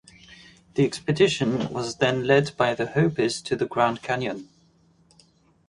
The expedition was then led by the Hopis to the Grand Canyon.